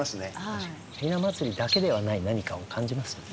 確かに雛祭りだけではない何かを感じますよね。